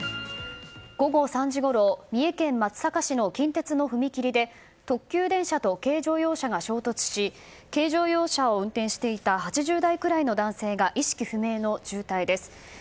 午後３時ごろ三重県松阪市の近鉄の踏切で特急電車と軽乗用車が衝突し軽乗用車を運転していた８０代くらいの男性が意識不明の重体です。